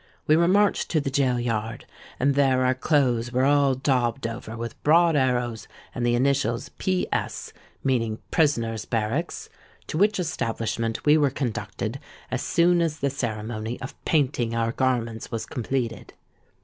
We were marched to the gaol yard; and there our clothes were all daubed over with broad arrows and the initials P. S.—meaning 'Prisoners' Barracks,' to which establishment we were conducted as soon as the ceremony of painting our garments was completed.